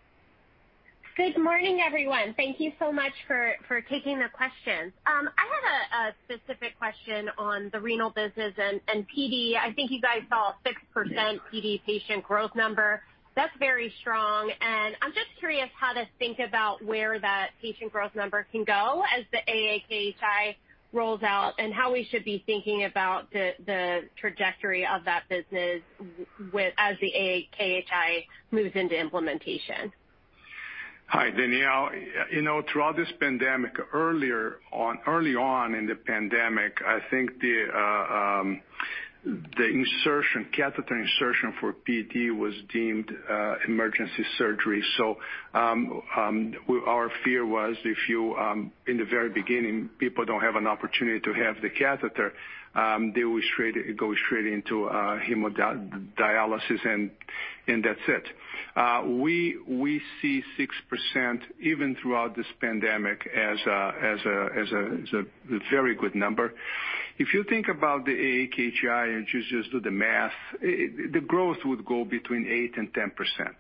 Good morning, everyone. Thank you so much for taking the questions. I have a specific question on the renal business and PD. I think you guys saw a 6% PD patient growth number. That's very strong. I'm just curious how to think about where that patient growth number can go as the AAKHI rolls out and how we should be thinking about the trajectory of that business as the AAKHI moves into implementation. Hi, Danielle. Throughout this pandemic, early on in the pandemic, I think the insertion, catheter insertion for PD was deemed emergency surgery. Our fear was if you, in the very beginning, people do not have an opportunity to have the catheter, they will go straight into hemodialysis and that's it. We see 6% even throughout this pandemic as a very good number. If you think about the AAKHI and just do the math, the growth would go between 8%-10%.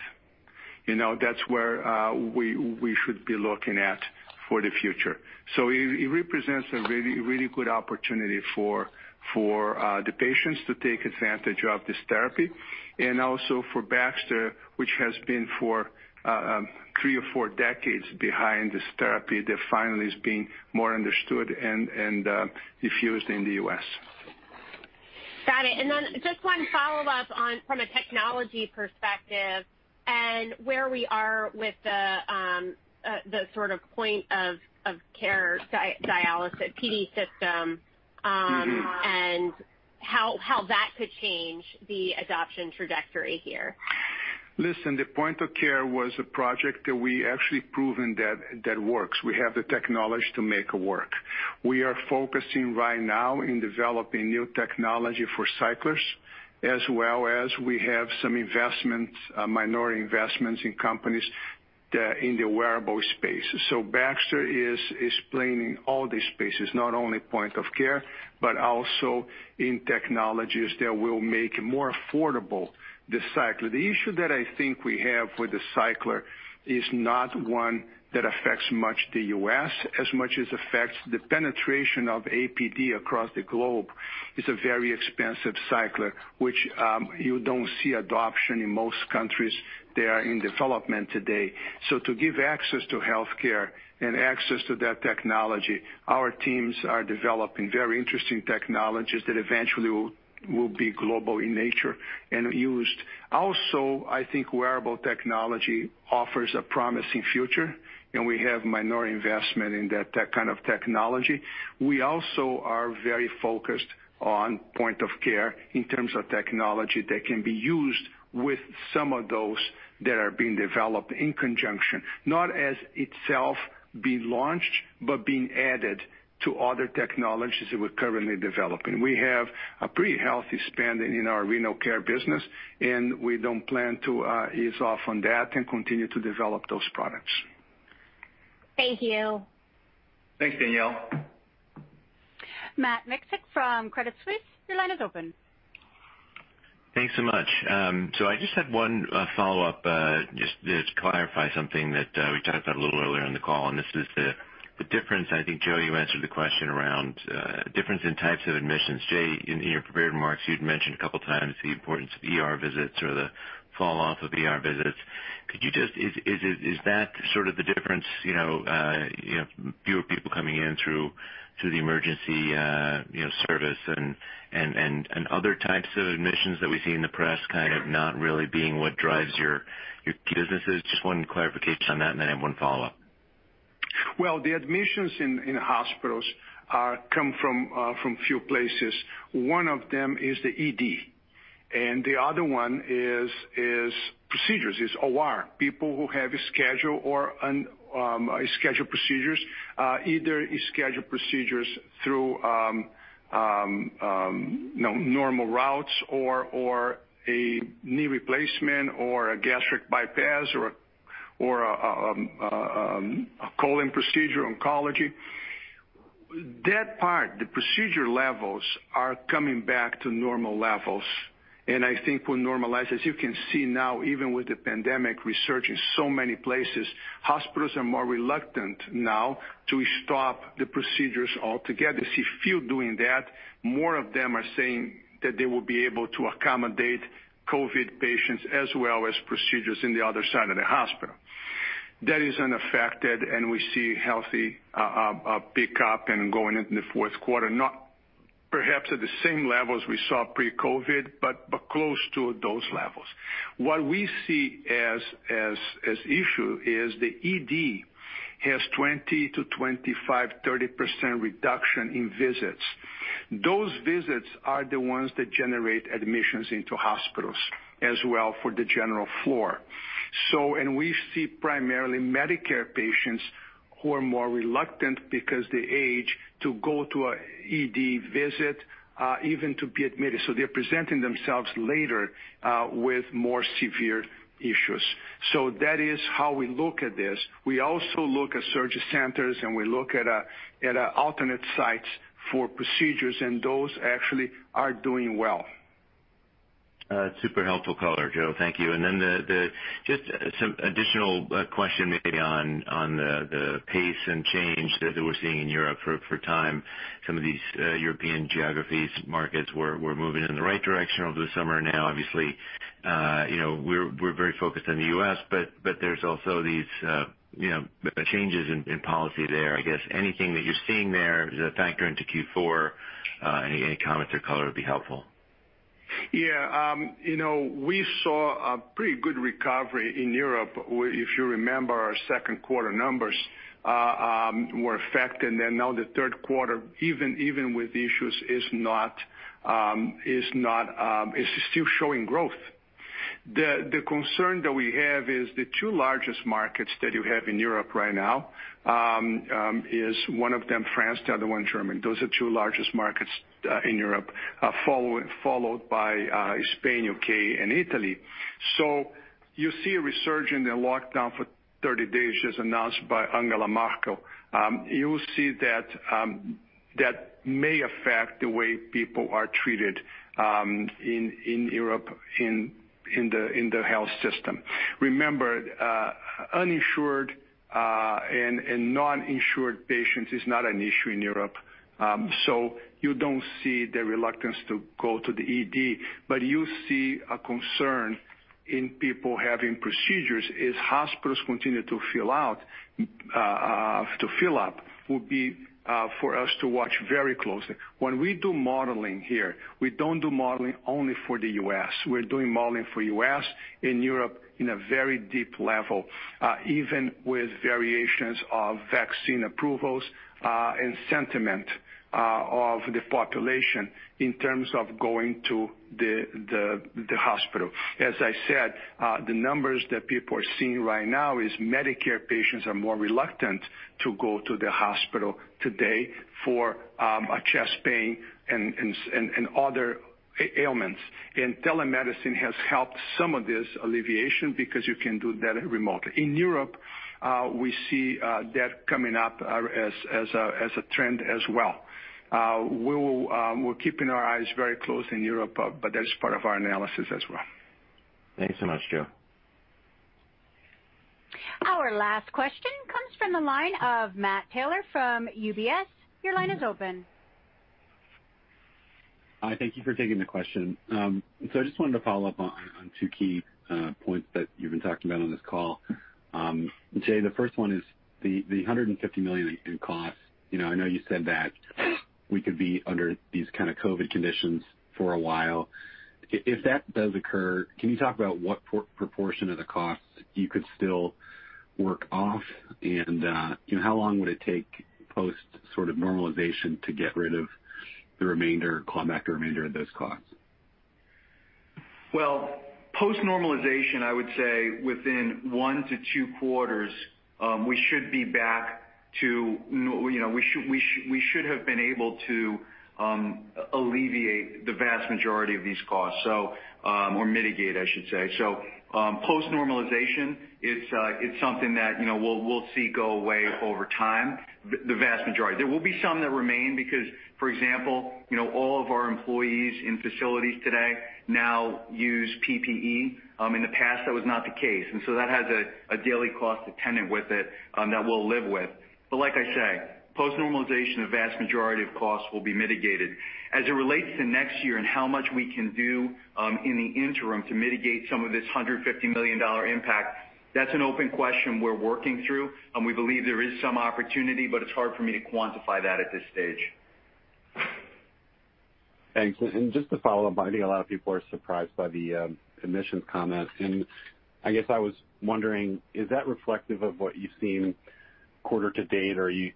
That is where we should be looking at for the future. It represents a really good opportunity for the patients to take advantage of this therapy. Also for Baxter, which has been for three or four decades behind this therapy, that finally is being more understood and diffused in the U.S. Got it. Just one follow-up from a technology perspective and where we are with the sort of point of care dialysis, PD system, and how that could change the adoption trajectory here. Listen, the point of care was a project that we actually proven that works. We have the technology to make it work. We are focusing right now in developing new technology for cyclers, as well as we have some investments, minority investments in companies in the wearable space. So Baxter is explaining all these spaces, not only point of care, but also in technologies that will make it more affordable to cycle. The issue that I think we have with the cycler is not one that affects much the U.S. as much as affects the penetration of APD across the globe. It's a very expensive cycler, which you don't see adoption in most countries that are in development today. To give access to healthcare and access to that technology, our teams are developing very interesting technologies that eventually will be global in nature and used. Also, I think wearable technology offers a promising future, and we have minor investment in that kind of technology. We also are very focused on point of care in terms of technology that can be used with some of those that are being developed in conjunction, not as itself being launched, but being added to other technologies that we're currently developing. We have a pretty healthy spending in our renal care business, and we don't plan to ease off on that and continue to develop those products. Thank you. Thanks, Danielle. Matt Micktek from Credit Suisse. Your line is open. Thanks so much. I just had one follow-up just to clarify something that we talked about a little earlier in the call, and this is the difference. I think, Joe, you answered the question around difference in types of admissions. Jay, in your prepared remarks, you'd mentioned a couple of times the importance of visits or the falloff of visits. Could you just, is that sort of the difference, fewer people coming in through the emergency service and other types of admissions that we see in the press kind of not really being what drives your businesses? Just one clarification on that, and then I have one follow-up. The admissions in hospitals come from a few places. One of them is the ED, and the other one is procedures, is OR, people who have a schedule or scheduled procedures, either scheduled procedures through normal routes or a knee replacement or a gastric bypass or a colon procedure, oncology. That part, the procedure levels are coming back to normal levels. I think we will normalize, as you can see now, even with the pandemic resurging so many places, hospitals are more reluctant now to stop the procedures altogether. If you are doing that, more of them are saying that they will be able to accommodate COVID patients as well as procedures in the other side of the hospital. That is unaffected, and we see healthy pickup and going into the fourth quarter, not perhaps at the same levels we saw pre-COVID, but close to those levels. What we see as an issue is the ED has 20-25, 30% reduction in visits. Those visits are the ones that generate admissions into hospitals as well for the general floor. We see primarily Medicare patients who are more reluctant because of the age to go to an ED visit, even to be admitted. They are presenting themselves later with more severe issues. That is how we look at this. We also look at surgery centers, and we look at alternate sites for procedures, and those actually are doing well. It's super helpful color, Joe. Thank you. Just some additional question maybe on the pace and change that we're seeing in Europe for time. Some of these European geographies, markets were moving in the right direction over the summer. Now, obviously, we're very focused on the U.S., but there's also these changes in policy there. I guess anything that you're seeing there is a factor into Q4. Any comments or color would be helpful. Yeah. We saw a pretty good recovery in Europe. If you remember, our second quarter numbers were affected, and now the third quarter, even with issues, is not still showing growth. The concern that we have is the two largest markets that you have in Europe right now is one of them France, the other one Germany. Those are two largest markets in Europe, followed by Spain, U.K., and Italy. You see a resurgent and lockdown for 30 days just announced by Angela Merkel. You will see that that may affect the way people are treated in Europe in the health system. Remember, uninsured and non-insured patients is not an issue in Europe. You do not see the reluctance to go to the ED, but you see a concern in people having procedures as hospitals continue to fill up, would be for us to watch very closely. When we do modeling here, we do not do modeling only for the U.S. We are doing modeling for the U.S. and Europe in a very deep level, even with variations of vaccine approvals and sentiment of the population in terms of going to the hospital. As I said, the numbers that people are seeing right now is Medicare patients are more reluctant to go to the hospital today for chest pain and other ailments. Telemedicine has helped some of this alleviation because you can do that remotely. In Europe, we see that coming up as a trend as well. We are keeping our eyes very close in Europe, but that is part of our analysis as well. Thanks so much, Joe. Our last question comes from the line of Matt Taylor from UBS. Your line is open. Hi, thank you for taking the question. I just wanted to follow up on two key points that you've been talking about on this call. Jay, the first one is the $150 million in cost. I know you said that we could be under these kind of COVID conditions for a while. If that does occur, can you talk about what proportion of the costs you could still work off, and how long would it take post sort of normalization to get rid of the remainder, claw back the remainder of those costs? Post normalization, I would say within one to two quarters, we should be back to we should have been able to alleviate the vast majority of these costs or mitigate, I should say. Post normalization, it is something that we will see go away over time, the vast majority. There will be some that remain because, for example, all of our employees in facilities today now use PPE. In the past, that was not the case. That has a daily cost attendant with it that we will live with. Like I say, post normalization, the vast majority of costs will be mitigated. As it relates to next year and how much we can do in the interim to mitigate some of this $150 million impact, that is an open question we are working through. We believe there is some opportunity, but it's hard for me to quantify that at this stage. Thanks. Just to follow up, I think a lot of people are surprised by the admissions comment. I guess I was wondering, is that reflective of what you've seen quarter to date, or are you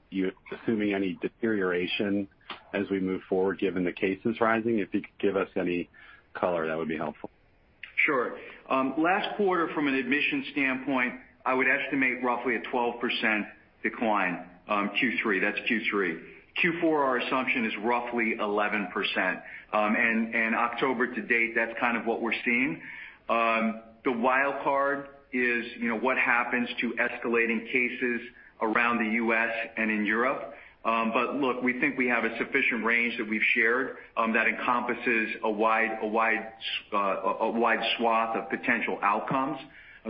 assuming any deterioration as we move forward given the cases rising? If you could give us any color, that would be helpful. Sure. Last quarter, from an admissions standpoint, I would estimate roughly a 12% decline Q3. That's Q3. Q4, our assumption is roughly 11%. And October to date, that's kind of what we're seeing. The wild card is what happens to escalating cases around the U.S. and in Europe. Look, we think we have a sufficient range that we've shared that encompasses a wide swath of potential outcomes.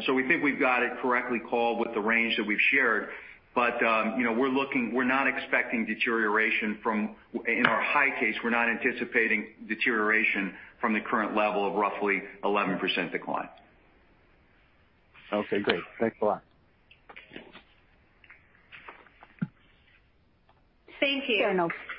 We think we've got it correctly called with the range that we've shared. We're not expecting deterioration from in our high case, we're not anticipating deterioration from the current level of roughly 11% decline. Okay, great. Thanks a lot. Thank you. Fair enough.